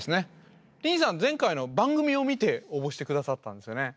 前回の番組を見て応募して下さったんですよね。